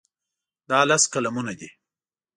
دا لس قلمونه دي.